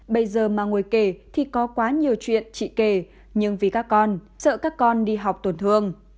bây giờ mà ngồi kể thì có quá nhiều chuyện chị kể nhưng vì các con sợ các con đi học tổn thương